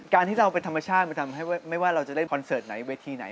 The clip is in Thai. การที่เราเป็นธรรมชาติมันทำให้ไม่ว่าเราจะเล่นคอนเสิร์ตไหนเวทีไหน